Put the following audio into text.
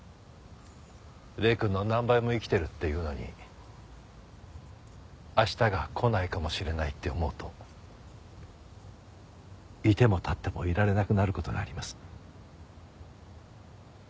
礼くんの何倍も生きてるっていうのに明日が来ないかもしれないって思うと居ても立ってもいられなくなる事があります。